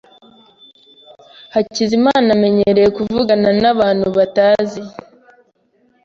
Hakizimana amenyereye kuvugana nabantu batazi.